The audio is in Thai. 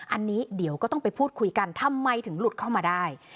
อันนี้เดี๋ยวก็ต้องไปพูดคุยกันทำไมถึงหลุดเข้ามาได้